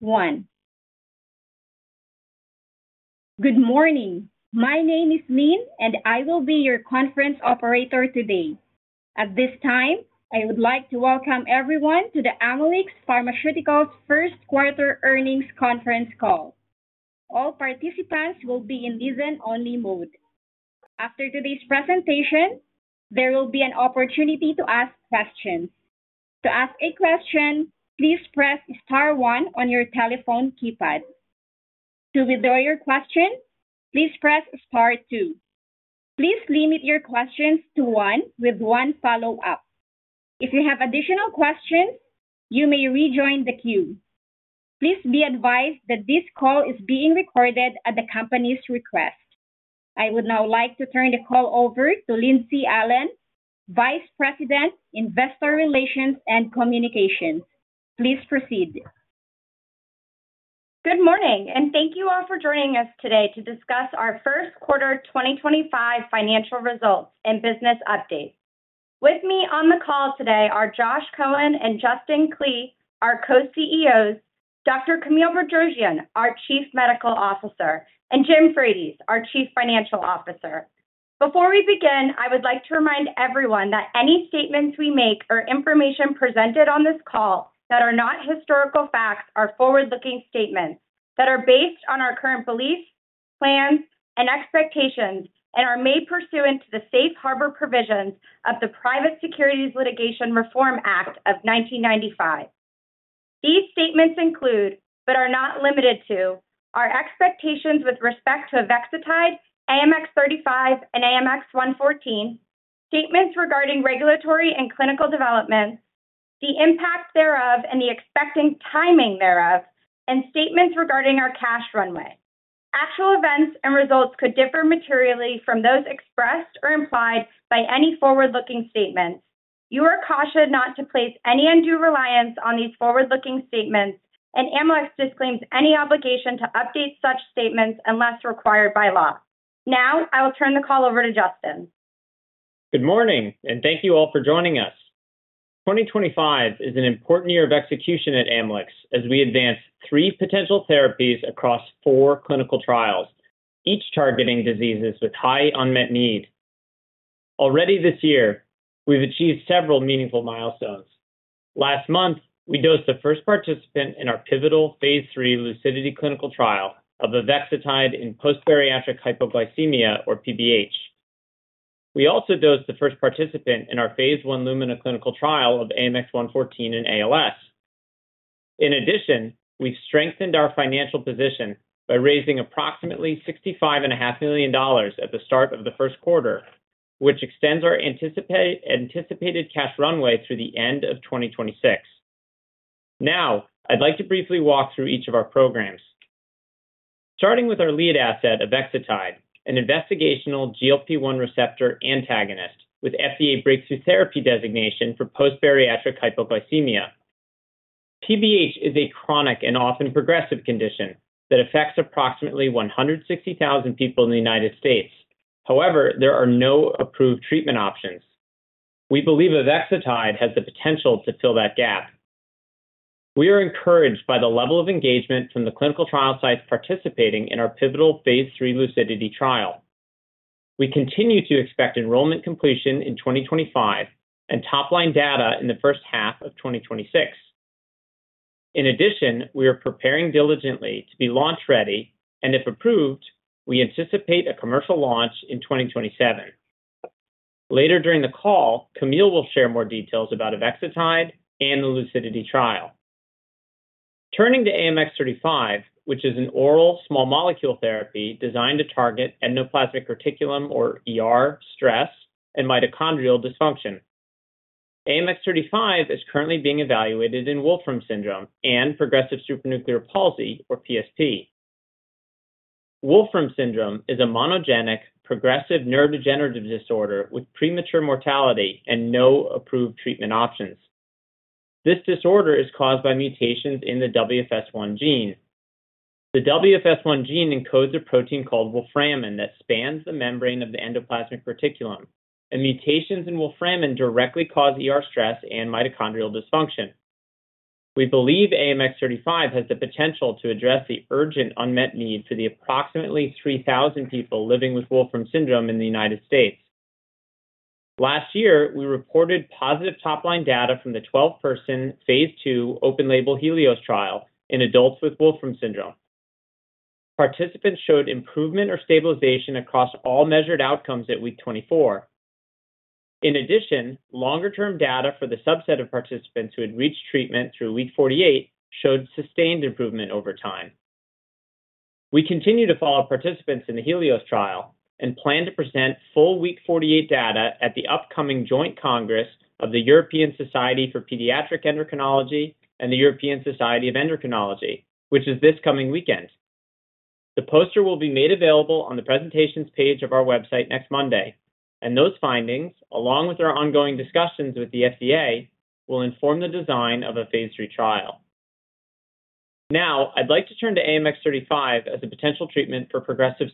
Good morning. My name is Lynn, and I will be your conference operator today. At this time, I would like to welcome everyone to the Amylyx Pharmaceuticals first quarter earnings conference call. All participants will be in listen-only mode. After today's presentation, there will be an opportunity to ask questions. To ask a question, please press star one on your telephone keypad. To withdraw your question, please press star two. Please limit your questions to one with one follow-up. If you have additional questions, you may rejoin the queue. Please be advised that this call is being recorded at the company's request. I would now like to turn the call over to Lindsey Allen, Vice President, Investor Relations and Communications. Please proceed. Good morning, and thank you all for joining us today to discuss our first quarter 2025 financial results and business update. With me on the call today are Josh Cohen and Justin Klee, our co-CEOs, Dr. Camille Bedrosian, our Chief Medical Officer, and Jim Frates, our Chief Financial Officer. Before we begin, I would like to remind everyone that any statements we make or information presented on this call that are not historical facts are forward-looking statements that are based on our current beliefs, plans, and expectations, and are made pursuant to the safe harbor provisions of the Private Securities Litigation Reform Act of 1995. These statements include, but are not limited to, our expectations with respect to Avexitide, AMX0035, and AMX-114, statements regarding regulatory and clinical developments, the impact thereof and the expected timing thereof, and statements regarding our cash runway. Actual events and results could differ materially from those expressed or implied by any forward-looking statements. You are cautioned not to place any undue reliance on these forward-looking statements, and Amylyx disclaims any obligation to update such statements unless required by law. Now, I will turn the call over to Justin. Good morning, and thank you all for joining us. 2025 is an important year of execution at Amylyx as we advance three potential therapies across four clinical trials, each targeting diseases with high unmet need. Already this year, we've achieved several meaningful milestones. Last month, we dosed the first participant in our pivotal phase III LUCIDITY clinical trial of Avexitide in post-bariatric hypoglycemia, or PBH. We also dosed the first participant in our phase I Lumina clinical trial of AMX-114 in ALS. In addition, we've strengthened our financial position by raising approximately $65.5 million at the start of the first quarter, which extends our anticipated cash runway through the end of 2026. Now, I'd like to briefly walk through each of our programs. Starting with our lead asset, Avexitide, an investigational GLP-1 receptor antagonist with FDA breakthrough therapy designation for post-bariatric hypoglycemia. PBH is a chronic and often progressive condition that affects approximately 160,000 people in the United States. However, there are no approved treatment options. We believe Avexitide has the potential to fill that gap. We are encouraged by the level of engagement from the clinical trial sites participating in our pivotal phase III LUCIDITY trial. We continue to expect enrollment completion in 2025 and top-line data in the first half of 2026. In addition, we are preparing diligently to be launch-ready, and if approved, we anticipate a commercial launch in 2027. Later during the call, Camille will share more details about Avexitide and the LUCIDITY trial. Turning to AMX0035, which is an oral small-molecule therapy designed to target endoplasmic reticulum, or stress and mitochondrial dysfunction. AMX0035 is currently being evaluated in Wolfram syndrome and progressive supranuclear palsy, or PSP. Wolfram syndrome is a monogenic progressive neurodegenerative disorder with premature mortality and no approved treatment options. This disorder is caused by mutations in the WFS1 gene. The WFS1 gene encodes a protein called wolframin that spans the membrane of the endoplasmic reticulum, and mutations in wolframin directly cause ER stress and mitochondrial dysfunction. We believe AMX0035 has the potential to address the urgent unmet need for the approximately 3,000 people living with Wolfram syndrome in the United States. Last year, we reported positive top-line data from the 12-person phase II open-label Helios trial in adults with Wolfram syndrome. Participants showed improvement or stabilization across all measured outcomes at week 24. In addition, longer-term data for the subset of participants who had reached treatment through week 48 showed sustained improvement over time. We continue to follow participants in the Helios trial and plan to present full week 48 data at the upcoming joint congress of the European Society for Pediatric Endocrinology and the European Society of Endocrinology, which is this coming weekend. The poster will be made available on the presentations page of our website next Monday, and those findings, along with our ongoing discussions with the FDA, will inform the design of a phase III trial. Now, I'd like to turn to AMX0035 as a potential treatment for progressive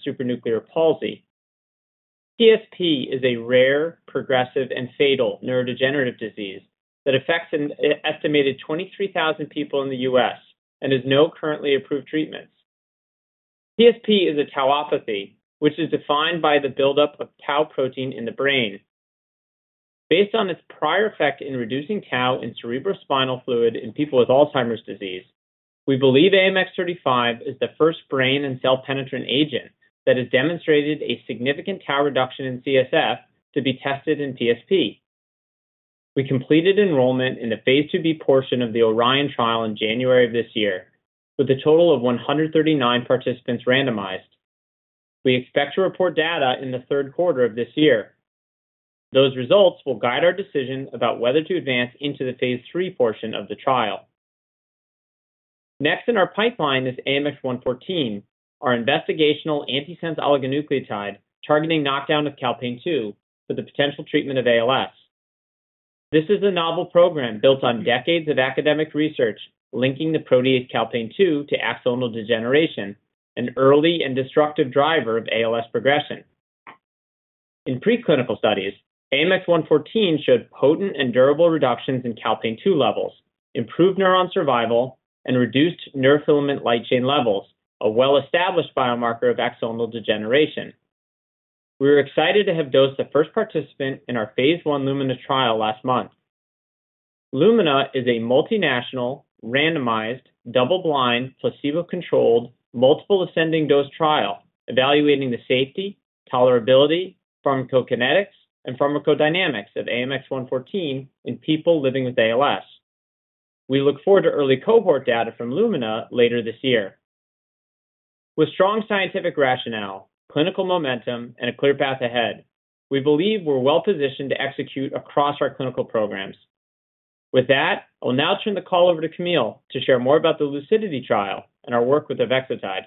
supranuclear palsy. PSP is a rare, progressive, and fatal neurodegenerative disease that affects an estimated 23,000 people in the U.S. and has no currently approved treatments. PSP is a tauopathy, which is defined by the buildup of tau protein in the brain. Based on its prior effect in reducing tau in cerebrospinal fluid in people with Alzheimer's disease, we believe AMX0035 is the first brain and cell-penetrant agent that has demonstrated a significant tau reduction in CSF to be tested in PSP. We completed enrollment in the phase II-B portion of the Orion trial in January of this year, with a total of 139 participants randomized. We expect to report data in the third quarter of this year. Those results will guide our decision about whether to advance into the phase III portion of the trial. Next in our pipeline is AMX-114, our investigational antisense oligonucleotide targeting knockdown of calpain II for the potential treatment of ALS. This is a novel program built on decades of academic research linking the protease calpain II to axonal degeneration, an early and destructive driver of ALS progression. In preclinical studies, AMX-114 showed potent and durable reductions in calpain II levels, improved neuron survival, and reduced neurofilament light chain levels, a well-established biomarker of axonal degeneration. We were excited to have dosed the first participant in our phase I Lumina trial last month. Lumina is a multinational, randomized, double-blind, placebo-controlled, multiple ascending dose trial evaluating the safety, tolerability, pharmacokinetics, and pharmacodynamics of AMX-114 in people living with ALS. We look forward to early cohort data from Lumina later this year. With strong scientific rationale, clinical momentum, and a clear path ahead, we believe we're well-positioned to execute across our clinical programs. With that, I'll now turn the call over to Camille to share more about the LUCIDITY trial and our work with Avexitide.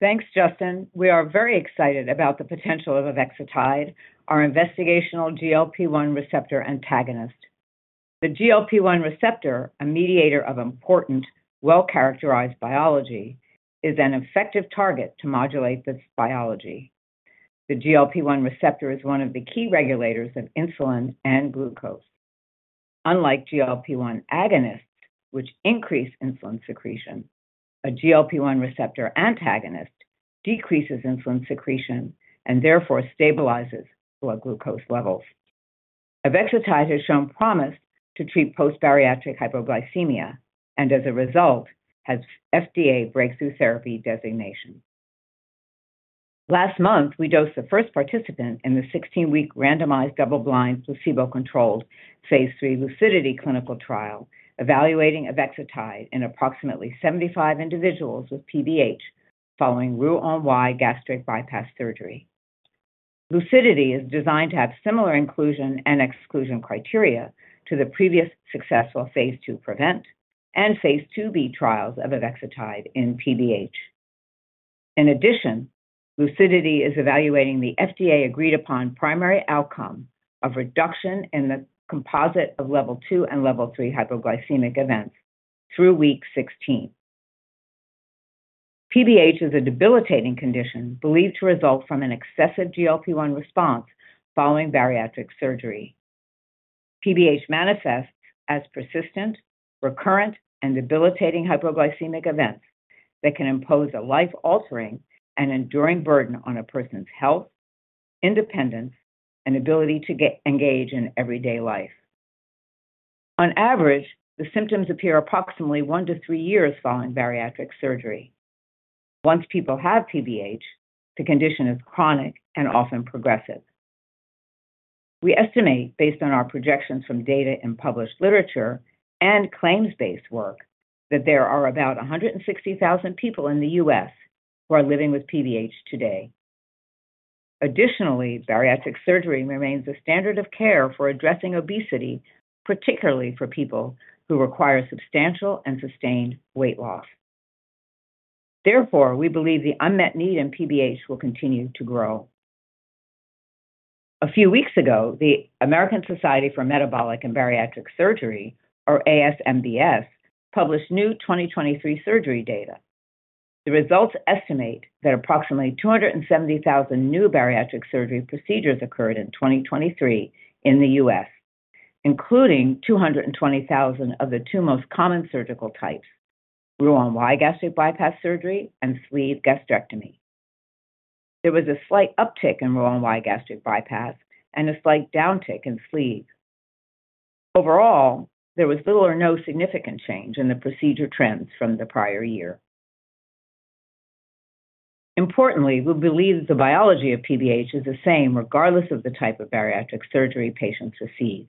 Thanks, Justin. We are very excited about the potential of Avexitide, our investigational GLP-1 receptor antagonist. The GLP-1 receptor, a mediator of important, well-characterized biology, is an effective target to modulate this biology. The GLP-1 receptor is one of the key regulators of insulin and glucose. Unlike GLP-1 agonists, which increase insulin secretion, a GLP-1 receptor antagonist decreases insulin secretion and therefore stabilizes blood glucose levels. Avexitide has shown promise to treat post-bariatric hypoglycemia and, as a result, has FDA breakthrough therapy designation. Last month, we dosed the first participant in the 16-week randomized double-blind, placebo-controlled phase III LUCIDITY clinical trial evaluating Avexitide in approximately 75 individuals with PBH following Roux-en-Y gastric bypass surgery. LUCIDITY is designed to have similar inclusion and exclusion criteria to the previous successful phase II Prevent and phase II-B trials of Avexitide in PBH. In addition, LUCIDITY is evaluating the FDA-agreed-upon primary outcome of reduction in the composite of level II and level III hypoglycemic events through week 16. PBH is a debilitating condition believed to result from an excessive GLP-1 response following bariatric surgery. PBH manifests as persistent, recurrent, and debilitating hypoglycemic events that can impose a life-altering and enduring burden on a person's health, independence, and ability to engage in everyday life. On average, the symptoms appear approximately one to three years following bariatric surgery. Once people have PBH, the condition is chronic and often progressive. We estimate, based on our projections from data in published literature and claims-based work, that there are about 160,000 people in the U.S. who are living with PBH today. Additionally, bariatric surgery remains a standard of care for addressing obesity, particularly for people who require substantial and sustained weight loss. Therefore, we believe the unmet need in PBH will continue to grow. A few weeks ago, the American Society for Metabolic and Bariatric Surgery, or ASMBS, published new 2023 surgery data. The results estimate that approximately 270,000 new bariatric surgery procedures occurred in 2023 in the U.S., including 220,000 of the two most common surgical types: Roux-en-Y gastric bypass surgery and sleeve gastrectomy. There was a slight uptick in Roux-en-Y gastric bypass and a slight downtick in sleeve. Overall, there was little or no significant change in the procedure trends from the prior year. Importantly, we believe the biology of PBH is the same regardless of the type of bariatric surgery patients receive.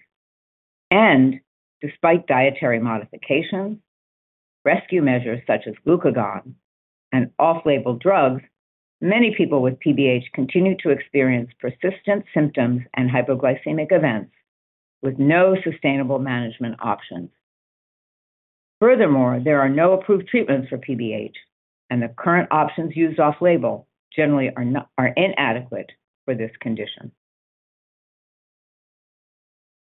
Despite dietary modifications, rescue measures such as glucagon, and off-label drugs, many people with PBH continue to experience persistent symptoms and hypoglycemic events with no sustainable management options. Furthermore, there are no approved treatments for PBH, and the current options used off-label generally are inadequate for this condition.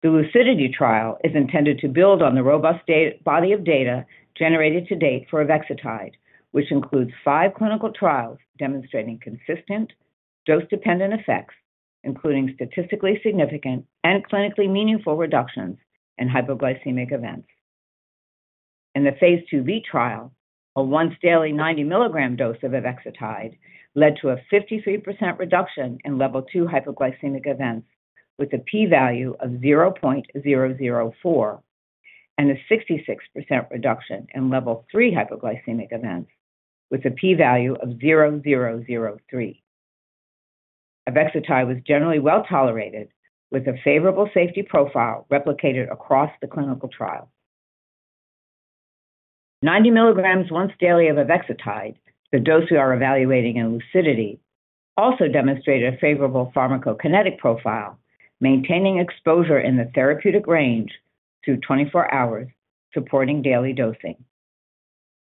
The LUCIDITY trial is intended to build on the robust body of data generated to date for Avexitide, which includes five clinical trials demonstrating consistent dose-dependent effects, including statistically significant and clinically meaningful reductions in hypoglycemic events. In the phase II-B trial, a once-daily 90 mg dose of Avexitide led to a 53% reduction in level II hypoglycemic events with a p-value of 0.004 and a 66% reduction in level III hypoglycemic events with a p-value of 0.003. Avexitide was generally well tolerated with a favorable safety profile replicated across the clinical trial. 90 mg once daily of Avexitide, the dose we are evaluating in LUCIDITY, also demonstrated a favorable pharmacokinetic profile, maintaining exposure in the therapeutic range through 24 hours, supporting daily dosing.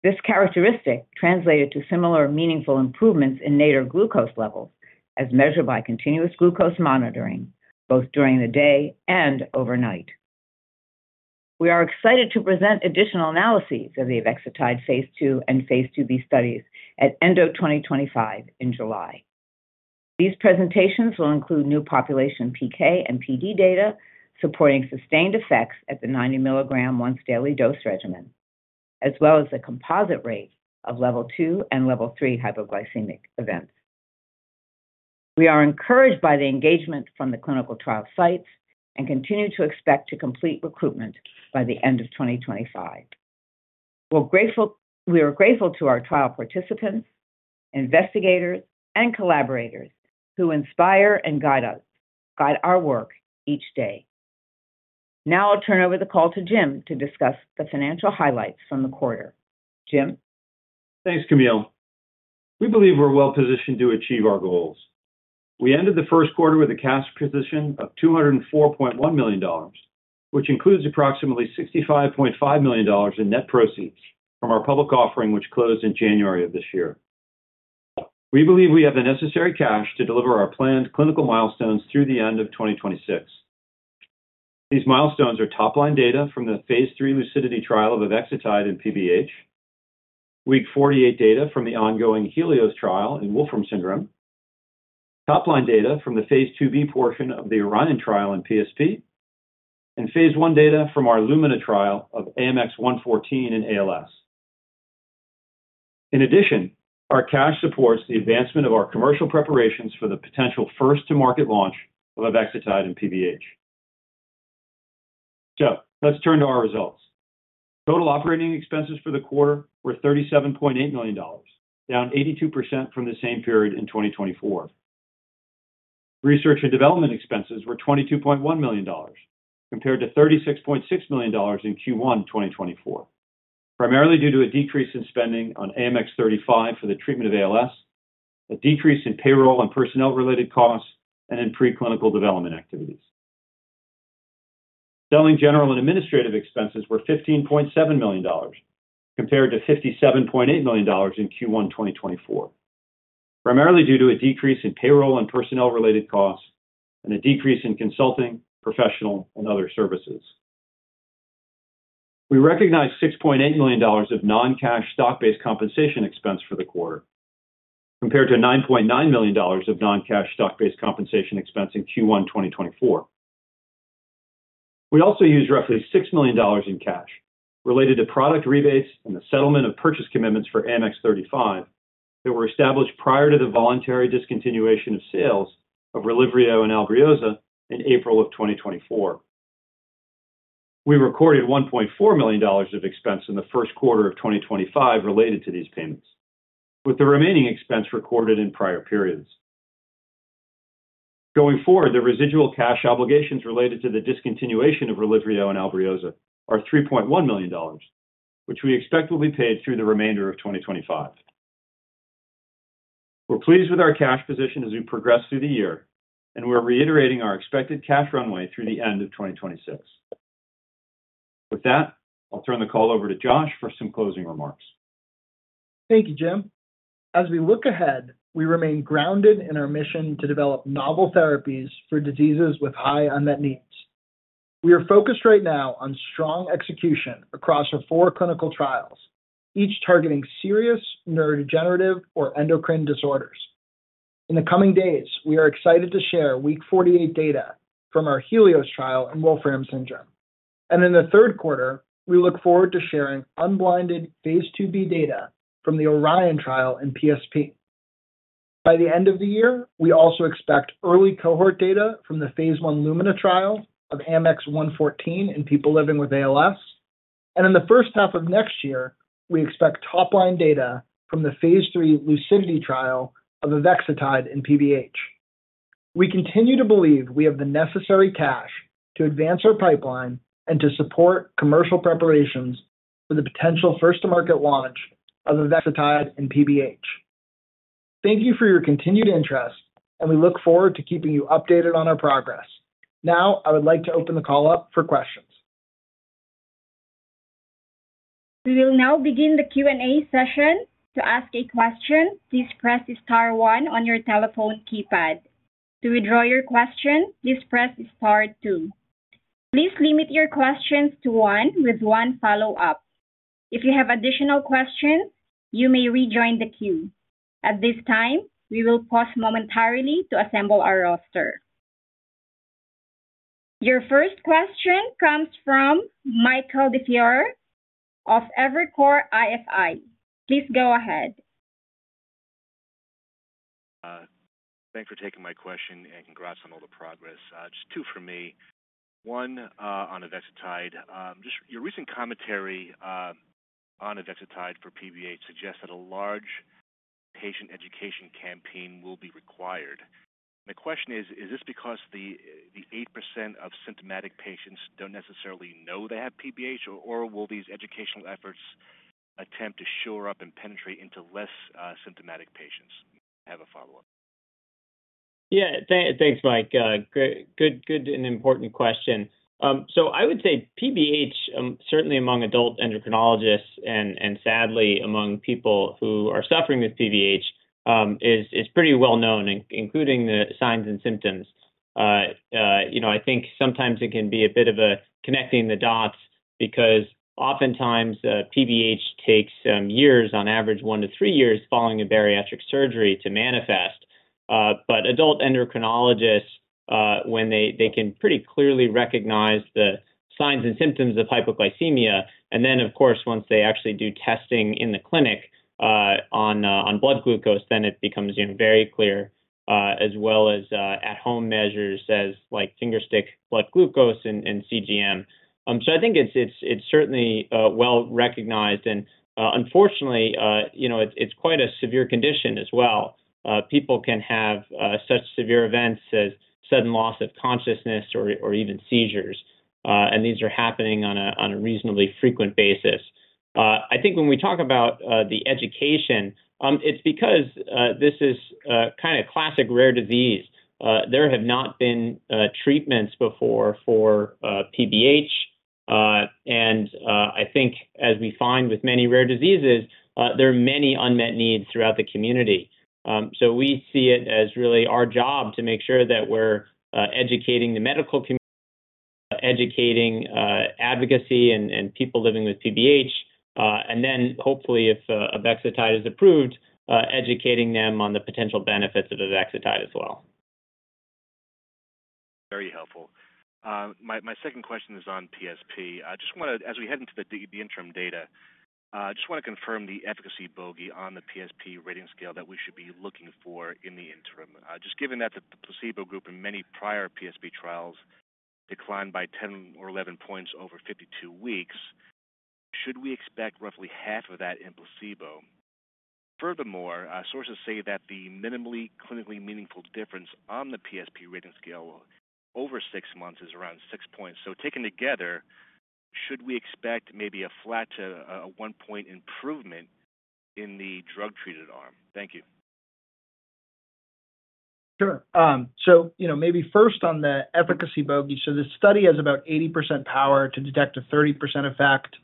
This characteristic translated to similar meaningful improvements in nadir glucose levels as measured by continuous glucose monitoring both during the day and overnight. We are excited to present additional analyses of the Avexitide phase II and phase II-B studies at ENDO 2025 in July. These presentations will include new population PK and PD data supporting sustained effects at the 90 mg once-daily dose regimen, as well as the composite rate of level II and level III hypoglycemic events. We are encouraged by the engagement from the clinical trial sites and continue to expect to complete recruitment by the end of 2025. We are grateful to our trial participants, investigators, and collaborators who inspire and guide our work each day. Now I'll turn over the call to Jim to discuss the financial highlights from the quarter. Jim? Thanks, Camille. We believe we're well-positioned to achieve our goals. We ended the first quarter with a cash position of $204.1 million, which includes approximately $65.5 million in net proceeds from our public offering, which closed in January of this year. We believe we have the necessary cash to deliver our planned clinical milestones through the end of 2026. These milestones are top-line data from the phase III LUCIDITY trial of Avexitide in PBH, week 48 data from the ongoing Helios trial in Wolfram syndrome, top-line data from the phase II-B portion of the Orion trial in PSP, and phase I data from our Lumina trial of AMX-114 in ALS. In addition, our cash supports the advancement of our commercial preparations for the potential first-to-market launch of Avexitide in PBH. Let's turn to our results. Total operating expenses for the quarter were $37.8 million, down 82% from the same period in 2024. Research and development expenses were $22.1 million, compared to $36.6 million in Q1 2024, primarily due to a decrease in spending on AMX0035 for the treatment of ALS, a decrease in payroll and personnel-related costs, and in preclinical development activities. Selling, general, and administrative expenses were $15.7 million, compared to $57.8 million in Q1 2024, primarily due to a decrease in payroll and personnel-related costs and a decrease in consulting, professional, and other services. We recognize $6.8 million of non-cash stock-based compensation expense for the quarter, compared to $9.9 million of non-cash stock-based compensation expense in Q1 2024. We also used roughly $6 million in cash related to product rebates and the settlement of purchase commitments for AMX0035 that were established prior to the voluntary discontinuation of sales of RELYVRIO and Albrioza in April of 2024. We recorded $1.4 million of expense in the first quarter of 2025 related to these payments, with the remaining expense recorded in prior periods. Going forward, the residual cash obligations related to the discontinuation of RELYVRIO and Albrioza are $3.1 million, which we expect will be paid through the remainder of 2025. We're pleased with our cash position as we progress through the year, and we're reiterating our expected cash runway through the end of 2026. With that, I'll turn the call over to Josh for some closing remarks. Thank you, Jim. As we look ahead, we remain grounded in our mission to develop novel therapies for diseases with high unmet needs. We are focused right now on strong execution across our four clinical trials, each targeting serious neurodegenerative or endocrine disorders. In the coming days, we are excited to share week 48 data from our Helios trial in Wolfram syndrome. In the third quarter, we look forward to sharing unblinded phase II-B data from the Orion trial in PSP. By the end of the year, we also expect early cohort data from the phase I Lumina trial of AMX-114 in people living with ALS. In the first half of next year, we expect top-line data from the phase III LUCIDITY trial of Avexitide in PBH. We continue to believe we have the necessary cash to advance our pipeline and to support commercial preparations for the potential first-to-market launch of Avexitide in PBH. Thank you for your continued interest, and we look forward to keeping you updated on our progress. Now, I would like to open the call up for questions. We will now begin the Q&A session. To ask a question, please press star one on your telephone keypad. To withdraw your question, please press star two. Please limit your questions to one with one follow-up. If you have additional questions, you may rejoin the queue. At this time, we will pause momentarily to assemble our roster. Your first question comes from Michael DiFiore of Evercore ISI. Please go ahead. Thanks for taking my question and congrats on all the progress. Just two for me. One on Avexitide. Your recent commentary on Avexitide for PBH suggests that a large patient education campaign will be required. My question is, is this because the 8% of symptomatic patients don't necessarily know they have PBH, or will these educational efforts attempt to shore up and penetrate into less symptomatic patients? I have a follow-up. Yeah. Thanks, Mike. Good and important question. I would say PBH, certainly among adult endocrinologists and, sadly, among people who are suffering with PBH, is pretty well known, including the signs and symptoms. I think sometimes it can be a bit of a connecting the dots because oftentimes PBH takes years, on average one to three years following a bariatric surgery to manifest. Adult endocrinologists, when they can, pretty clearly recognize the signs and symptoms of hypoglycemia, and then, of course, once they actually do testing in the clinic on blood glucose, then it becomes very clear, as well as at-home measures like fingerstick blood glucose and CGM. I think it is certainly well recognized. Unfortunately, it is quite a severe condition as well. People can have such severe events as sudden loss of consciousness or even seizures. These are happening on a reasonably frequent basis. I think when we talk about the education, it's because this is kind of classic rare disease. There have not been treatments before for PBH. I think, as we find with many rare diseases, there are many unmet needs throughout the community. We see it as really our job to make sure that we're educating the medical community, educating advocacy and people living with PBH, and then, hopefully, if Avexitide is approved, educating them on the potential benefits of Avexitide as well. Very helpful. My second question is on PSP. I just want to, as we head into the interim data, I just want to confirm the efficacy bogey on the PSP rating scale that we should be looking for in the interim. Just given that the placebo group in many prior PSP trials declined by 10 or 11 points over 52 weeks, should we expect roughly half of that in placebo? Furthermore, sources say that the minimally clinically meaningful difference on the PSP rating scale over six months is around six points. So taken together, should we expect maybe a flat to a one-point improvement in the drug-treated arm? Thank you. Sure. Maybe first on the efficacy bogey. This study has about 80% power to detect a 30% effect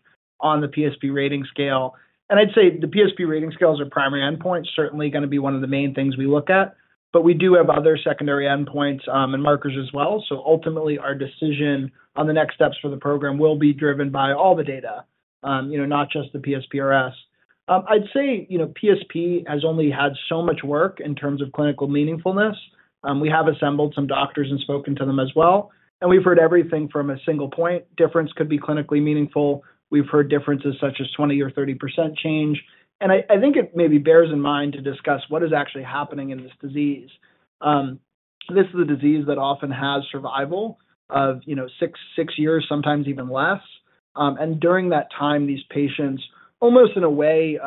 on the PSP rating scale. I'd say the PSP rating scales are primary endpoints, certainly going to be one of the main things we look at. We do have other secondary endpoints and markers as well. Ultimately, our decision on the next steps for the program will be driven by all the data, not just the PSPRS. I'd say PSP has only had so much work in terms of clinical meaningfulness. We have assembled some doctors and spoken to them as well. We've heard everything from a single point difference could be clinically meaningful. We've heard differences such as 20% or 30% change. I think it maybe bears in mind to discuss what is actually happening in this disease. This is a disease that often has survival of six years, sometimes even less. During that time, these patients, almost in a way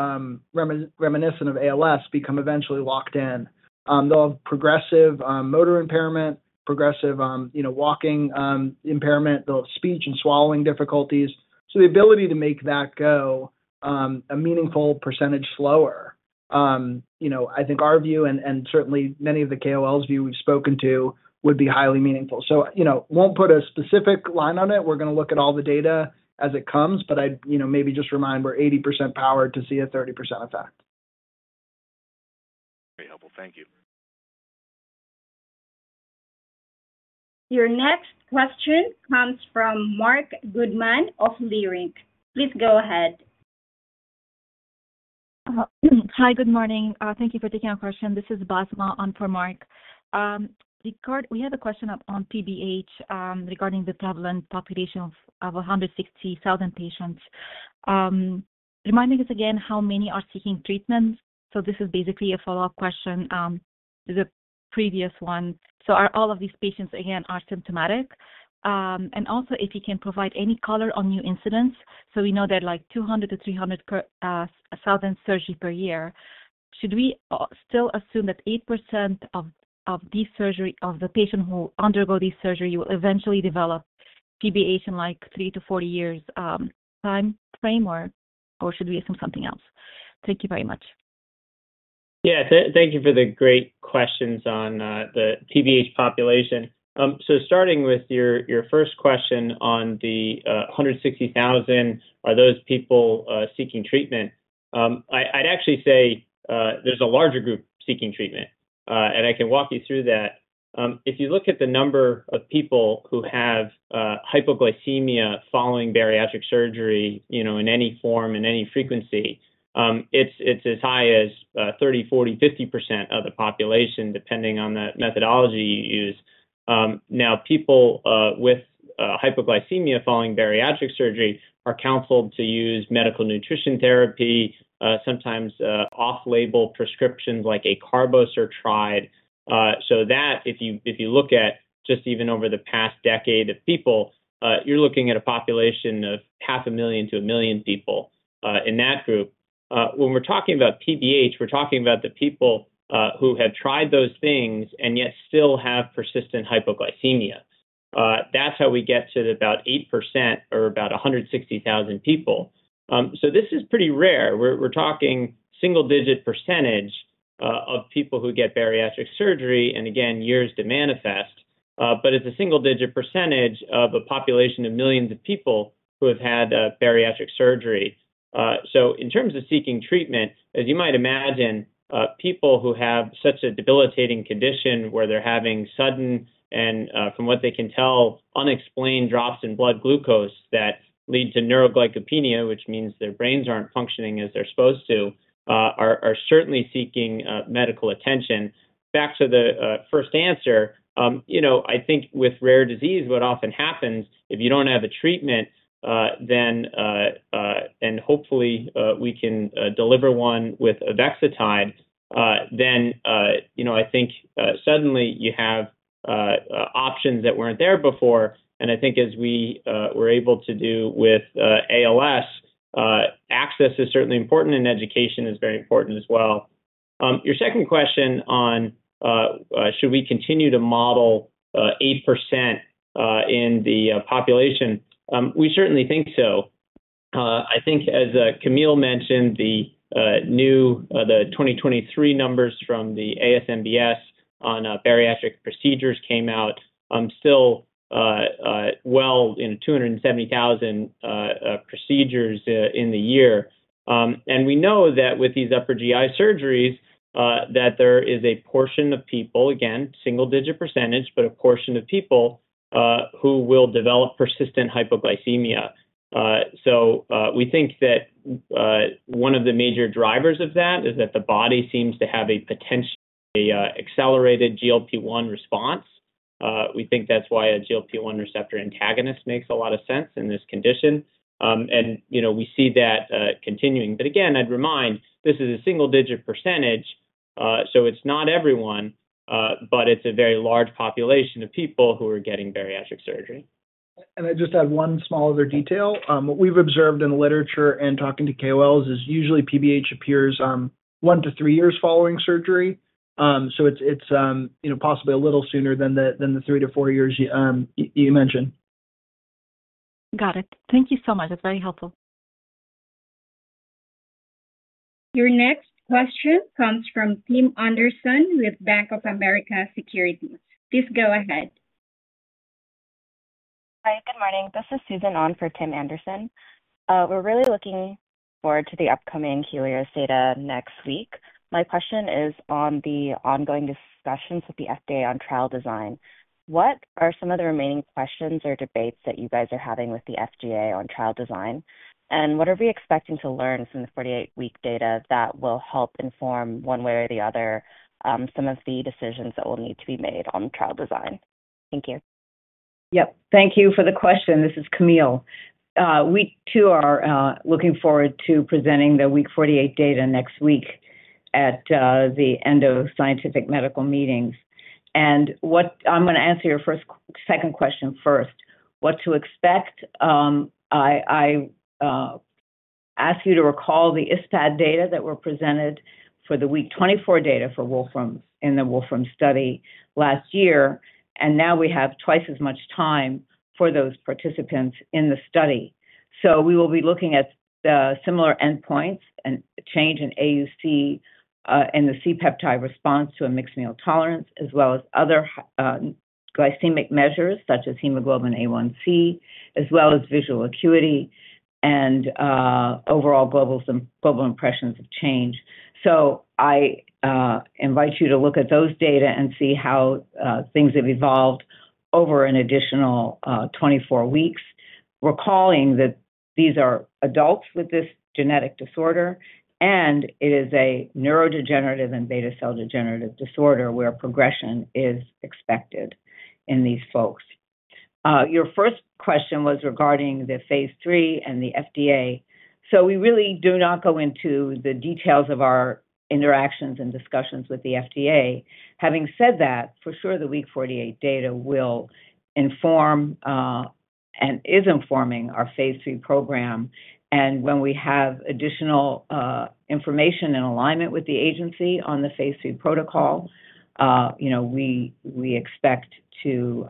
reminiscent of ALS, become eventually locked in. They'll have progressive motor impairment, progressive walking impairment. They'll have speech and swallowing difficulties. The ability to make that go a meaningful percentage slower, I think our view and certainly many of the KOLs' view we've spoken to would be highly meaningful. I won't put a specific line on it. We're going to look at all the data as it comes. I maybe just remind we're 80% power to see a 30% effect. Very helpful. Thank you. Your next question comes from Marc Goodman of Leerink. Please go ahead. Hi, good morning. Thank you for taking our question. This is Basma on for Marc. We have a question on PBH regarding the prevalent population of 160,000 patients. Reminding us again how many are seeking treatment. This is basically a follow-up question to the previous one. All of these patients, again, are symptomatic. If you can provide any color on new incidents. We know there are like 200,000-300,000 surgeries per year. Should we still assume that 8% of the patients who undergo these surgeries will eventually develop PBH in three to four years' time frame, or should we assume something else? Thank you very much. Yeah. Thank you for the great questions on the PBH population. Starting with your first question on the 160,000, are those people seeking treatment? I'd actually say there's a larger group seeking treatment. I can walk you through that. If you look at the number of people who have hypoglycemia following bariatric surgery in any form, in any frequency, it's as high as 30%-40%-50% of the population, depending on the methodology you use. Now, people with hypoglycemia following bariatric surgery are counseled to use medical nutrition therapy, sometimes off-label prescriptions like acarbose or TRYDE. If you look at just even over the past decade of people, you're looking at a population of 500,000 to 1,000,000 people in that group. When we're talking about PBH, we're talking about the people who have tried those things and yet still have persistent hypoglycemia. That's how we get to about 8% or about 160,000 people. This is pretty rare. We're talking single-digit percentage of people who get bariatric surgery and, again, years to manifest. It is a single-digit percentage of a population of millions of people who have had bariatric surgery. In terms of seeking treatment, as you might imagine, people who have such a debilitating condition where they're having sudden and, from what they can tell, unexplained drops in blood glucose that lead to neuroglycopenia, which means their brains aren't functioning as they're supposed to, are certainly seeking medical attention. Back to the first answer, I think with rare disease, what often happens, if you do not have a treatment, then—hopefully, we can deliver one with Avexitide—then I think suddenly you have options that were not there before. I think as we were able to do with ALS, access is certainly important, and education is very important as well. Your second question on should we continue to model 8% in the population? We certainly think so. I think, as Camille mentioned, the new 2023 numbers from the ASMBS on bariatric procedures came out still well in 270,000 procedures in the year. We know that with these upper GI surgeries, there is a portion of people, again, single-digit percentage, but a portion of people who will develop persistent hypoglycemia. We think that one of the major drivers of that is that the body seems to have a potentially accelerated GLP-1 response. We think that's why a GLP-1 receptor antagonist makes a lot of sense in this condition. We see that continuing. Again, I'd remind, this is a single-digit %. It's not everyone, but it's a very large population of people who are getting bariatric surgery. I'd just add one small other detail. What we've observed in the literature and talking to KOLs is usually PBH appears one to three years following surgery. It's possibly a little sooner than the three to four years you mentioned. Got it. Thank you so much. That's very helpful. Your next question comes from Tim Anderson with Bank of America Securities. Please go ahead. Hi, good morning. This is Susan on for Tim Anderson. We're really looking forward to the upcoming Helios data next week. My question is on the ongoing discussions with the FDA on trial design. What are some of the remaining questions or debates that you guys are having with the FDA on trial design? What are we expecting to learn from the 48-week data that will help inform one way or the other some of the decisions that will need to be made on trial design? Thank you. Yep. Thank you for the question. This is Camille. We, too, are looking forward to presenting the Week 48 data next week at the Endo Scientific Medical Meetings. I'm going to answer your second question first. What to expect? I ask you to recall the ISPAD data that were presented for the Week 24 data for in the Wolfram study last year. Now we have twice as much time for those participants in the study. We will be looking at similar endpoints and change in AUC and the C-peptide response to a mixed meal tolerance, as well as other glycemic measures such as hemoglobin A1c, as well as visual acuity and overall global impressions of change. I invite you to look at those data and see how things have evolved over an additional 24 weeks, recalling that these are adults with this genetic disorder, and it is a neurodegenerative and beta-cell degenerative disorder where progression is expected in these folks. Your first question was regarding the phase III and the FDA. We really do not go into the details of our interactions and discussions with the FDA. Having said that, for sure, the week 48 data will inform and is informing our phase III program. When we have additional information and alignment with the agency on the phase III protocol, we expect to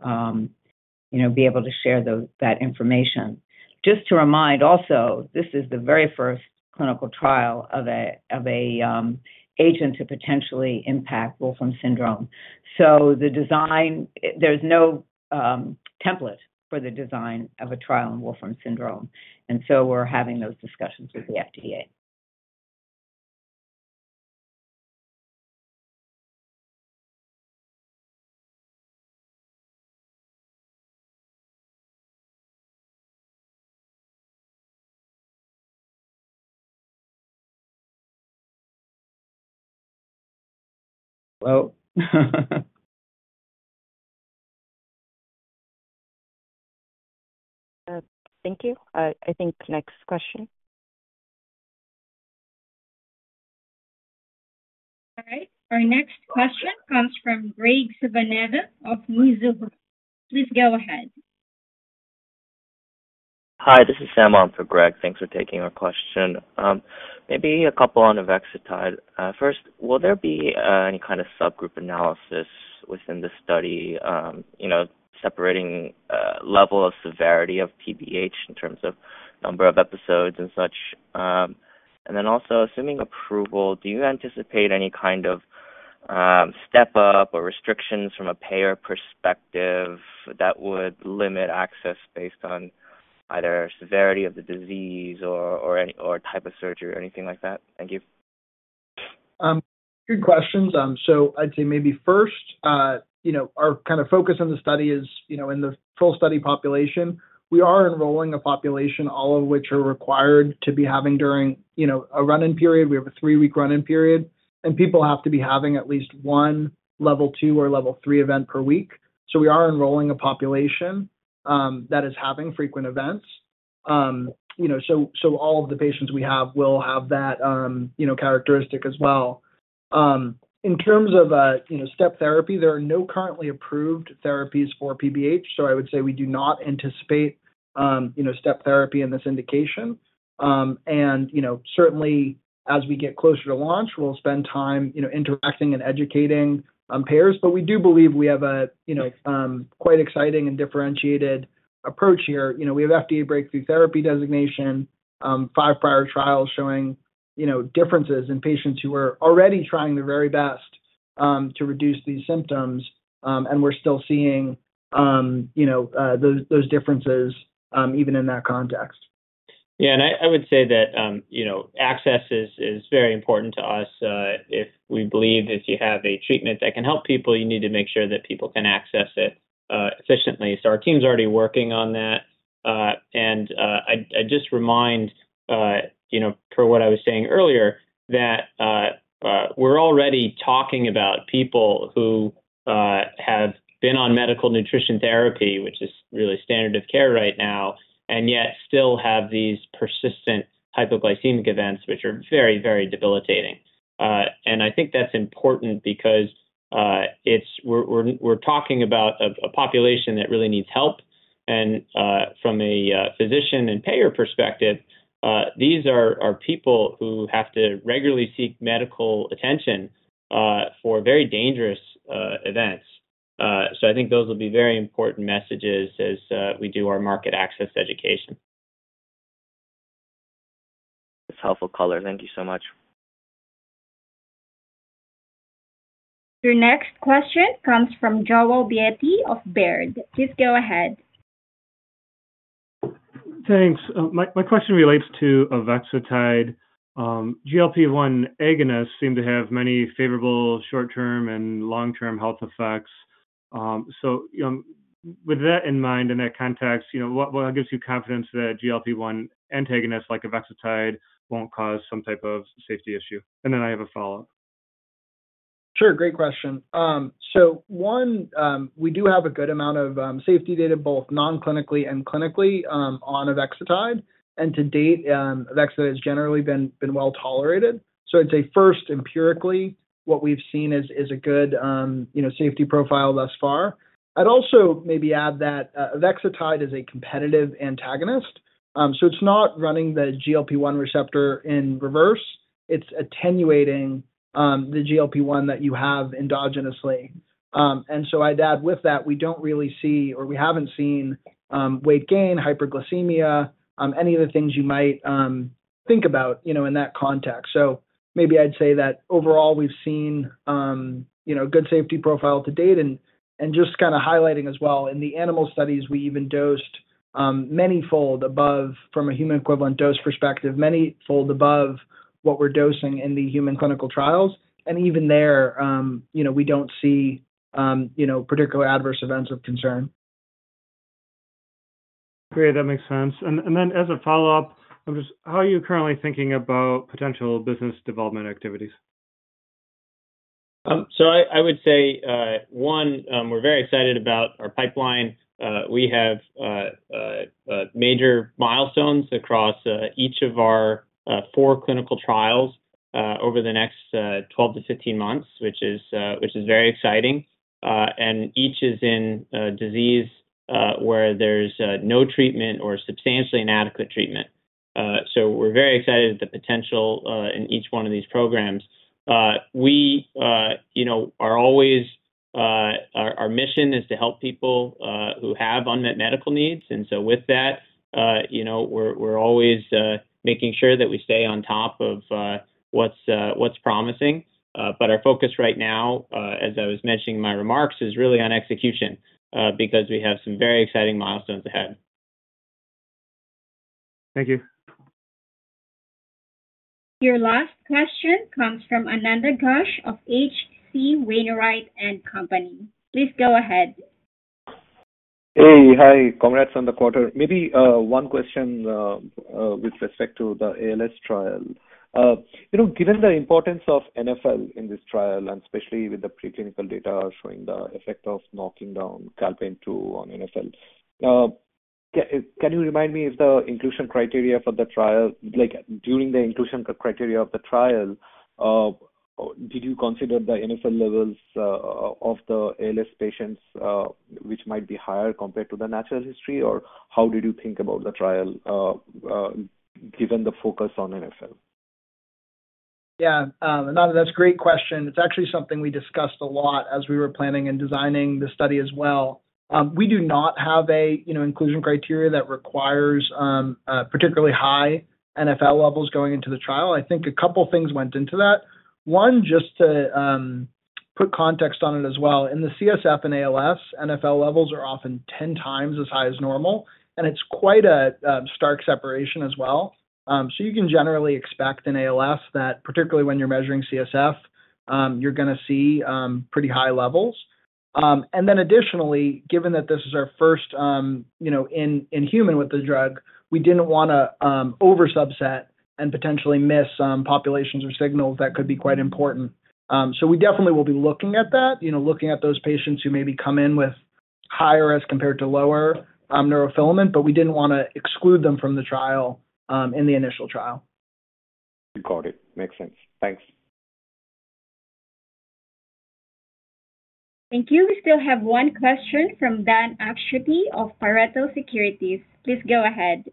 be able to share that information. Just to remind also, this is the very first clinical trial of an agent to potentially impact Wolfram syndrome. There is no template for the design of a trial in Wolfram syndrome. We're having those discussions with the FDA. Hello. Thank you. I think next question. All right. Our next question comes from Greg Silvanouve of Mizuho. Please go ahead. Hi, this is Samuel on for Greg. Thanks for taking our question. Maybe a couple on Avexitide. First, will there be any kind of subgroup analysis within the study separating level of severity of PBH in terms of number of episodes and such? Also, assuming approval, do you anticipate any kind of step-up or restrictions from a payer perspective that would limit access based on either severity of the disease or type of surgery or anything like that? Thank you. Good questions. I'd say maybe first, our kind of focus in the study is in the full study population. We are enrolling a population, all of which are required to be having during a run-in period. We have a three-week run-in period. People have to be having at least one level II or level III event per week. We are enrolling a population that is having frequent events. All of the patients we have will have that characteristic as well. In terms of step therapy, there are no currently approved therapies for PBH. I would say we do not anticipate step therapy in this indication. Certainly, as we get closer to launch, we'll spend time interacting and educating on payers. We do believe we have a quite exciting and differentiated approach here. We have FDA breakthrough therapy designation, five prior trials showing differences in patients who are already trying their very best to reduce these symptoms. We're still seeing those differences even in that context. Yeah. I would say that access is very important to us. If we believe if you have a treatment that can help people, you need to make sure that people can access it efficiently. Our team's already working on that. I just remind, per what I was saying earlier, that we're already talking about people who have been on medical nutrition therapy, which is really standard of care right now, and yet still have these persistent hypoglycemic events, which are very, very debilitating. I think that's important because we're talking about a population that really needs help. From a physician and payer perspective, these are people who have to regularly seek medical attention for very dangerous events. I think those will be very important messages as we do our market access education. That's helpful color. Thank you so much. Your next question comes from Joel Beatty of Baird. Please go ahead. Thanks. My question relates to Avexitide. GLP-1 agonists seem to have many favorable short-term and long-term health effects. With that in mind, in that context, what gives you confidence that GLP-1 antagonists like Avexitide won't cause some type of safety issue? I have a follow-up. Sure. Great question. One, we do have a good amount of safety data, both non-clinically and clinically, on Avexitide. To date, Avexitide has generally been well tolerated. I'd say first, empirically, what we've seen is a good safety profile thus far. I'd also maybe add that Avexitide is a competitive antagonist. It's not running the GLP-1 receptor in reverse. It's attenuating the GLP-1 that you have endogenously. I'd add with that, we don't really see or we haven't seen weight gain, hyperglycemia, any of the things you might think about in that context. Maybe I'd say that overall, we've seen a good safety profile to date. Just kind of highlighting as well, in the animal studies, we even dosed many-fold above from a human equivalent dose perspective, many-fold above what we're dosing in the human clinical trials. Even there, we do not see particular adverse events of concern. Great. That makes sense. As a follow-up, how are you currently thinking about potential business development activities? I would say, one, we're very excited about our pipeline. We have major milestones across each of our four clinical trials over the next 12-15 months, which is very exciting. Each is in a disease where there's no treatment or substantially inadequate treatment. We're very excited at the potential in each one of these programs. Our mission is to help people who have unmet medical needs. With that, we're always making sure that we stay on top of what's promising. Our focus right now, as I was mentioning in my remarks, is really on execution because we have some very exciting milestones ahead. Thank you. Your last question comes from Ananda Ghosh of H.C. Wainwright & Company. Please go ahead. Hey, hi. Congrats on the quarter. Maybe one question with respect to the ALS trial. Given the importance of NfL in this trial, and especially with the preclinical data showing the effect of knocking down calpain II on NfL, can you remind me if the inclusion criteria for the trial, during the inclusion criteria of the trial, did you consider the NfL levels of the ALS patients, which might be higher compared to the natural history? Or how did you think about the trial given the focus on NfL? Yeah. Another that's a great question. It's actually something we discussed a lot as we were planning and designing the study as well. We do not have an inclusion criteria that requires particularly high NfL levels going into the trial. I think a couple of things went into that. One, just to put context on it as well. In the CSF and ALS, NfL levels are often 10 times as high as normal. And it's quite a stark separation as well. You can generally expect in ALS that, particularly when you're measuring CSF, you're going to see pretty high levels. Additionally, given that this is our first in human with the drug, we didn't want to oversubset and potentially miss populations or signals that could be quite important. We definitely will be looking at that, looking at those patients who maybe come in with higher as compared to lower neurofilament. We did not want to exclude them from the trial in the initial trial. Recorded. Makes sense. Thanks. Thank you. We still have one question from Dan Akschuti of Pareto Securities. Please go ahead.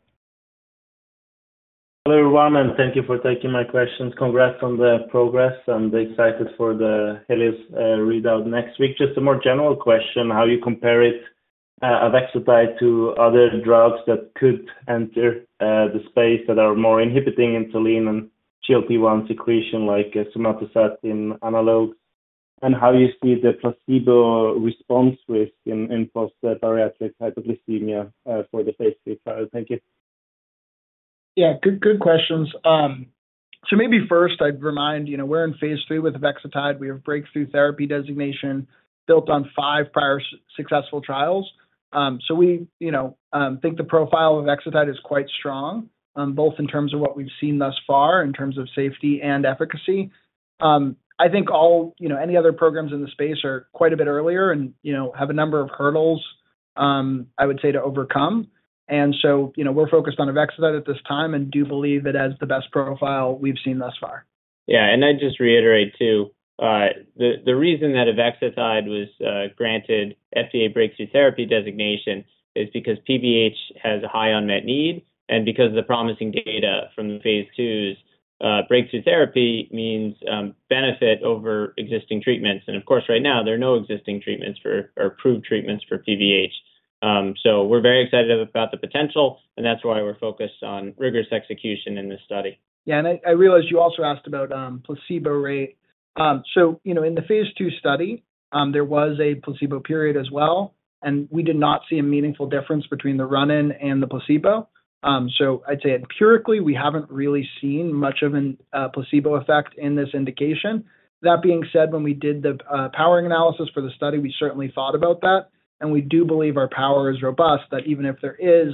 Hello, everyone. Thank you for taking my questions. Congrats on the progress. I'm excited for the Helios readout next week. Just a more general question, how you compare Avexitide to other drugs that could enter the space that are more inhibiting insulin and GLP-1 secretion like somatostatin analogs? How do you see the placebo response risk in post-bariatric hypoglycemia for the phase III trial? Thank you. Yeah. Good questions. Maybe first, I'd remind we're in phase III with Avexitide. We have breakthrough therapy designation built on five prior successful trials. We think the profile of Avexitide is quite strong, both in terms of what we've seen thus far in terms of safety and efficacy. I think any other programs in the space are quite a bit earlier and have a number of hurdles, I would say, to overcome. We're focused on Avexitide at this time and do believe it has the best profile we've seen thus far. Yeah. I'd just reiterate too, the reason that Avexitide was granted FDA breakthrough therapy designation is because PBH has a high unmet need. Because of the promising data from the phase II, breakthrough therapy means benefit over existing treatments. Of course, right now, there are no existing treatments or approved treatments for PBH. We're very excited about the potential. That's why we're focused on rigorous execution in this study. Yeah. I realize you also asked about placebo rate. In the phase II study, there was a placebo period as well. We did not see a meaningful difference between the run-in and the placebo. I'd say empirically, we have not really seen much of a placebo effect in this indication. That being said, when we did the powering analysis for the study, we certainly thought about that. We do believe our power is robust, that even if there is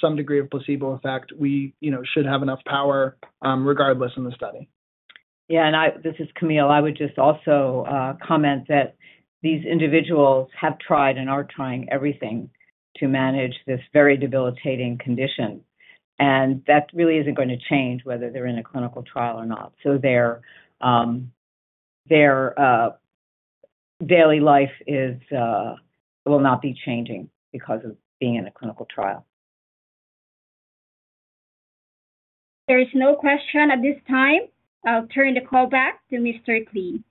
some degree of placebo effect, we should have enough power regardless in the study. Yeah. This is Camille. I would just also comment that these individuals have tried and are trying everything to manage this very debilitating condition. That really is not going to change whether they are in a clinical trial or not. Their daily life will not be changing because of being in a clinical trial. There is no question at this time. I'll turn the call back to Mr. Klee.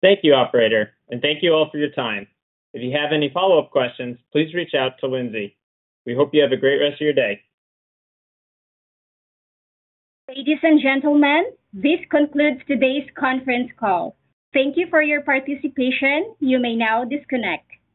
Thank you, operator. Thank you all for your time. If you have any follow-up questions, please reach out to Lindsey. We hope you have a great rest of your day. Ladies and gentlemen, this concludes today's conference call. Thank you for your participation. You may now disconnect.